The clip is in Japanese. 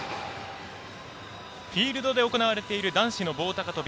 フィールドで行われている男子の棒高跳び。